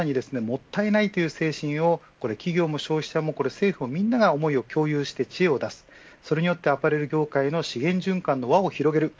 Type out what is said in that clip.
これから日本はまさにもったいないという精神を企業も消費者も政府も、みんなが思いを共有して知恵を出すそれによってアパレル業界の支援